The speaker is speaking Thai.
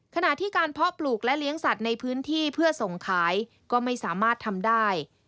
ขณะที่การเพาะปลูกและเลี้ยงสัตว์ในพื้นที่เพื่อส่งขายก็ไม่สามารถทำได้